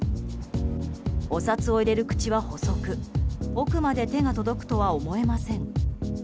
お札を入れる口は細く奥まで手が届くとは思えません。